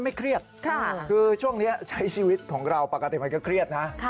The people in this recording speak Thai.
ไม่เครียดคือช่วงนี้ใช้ชีวิตของเราปกติมันก็เครียดนะ